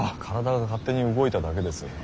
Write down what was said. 体が勝手に動いただけです。